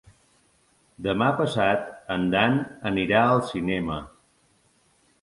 Demà passat en Dan anirà al cinema.